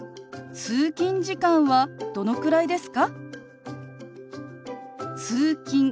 通勤時間はどのくらいですか？